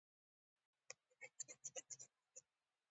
ساقي بیرته راستون شو او راته یې وویل.